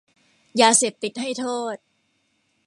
ยาเสพติดให้โทษ